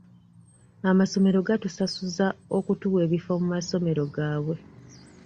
Amasomero gatusasuza okutuwa ebifo mu masomero gaabwe.